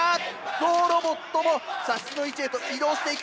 ゾウロボットも射出の位置へと移動していく。